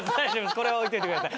これは置いておいてください。